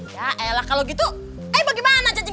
ya elah kalau gitu eh bagaimana cacing kremi juga